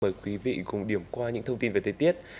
mời quý vị cùng điểm qua những thông tin về thời tiết